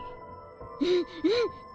うんうん！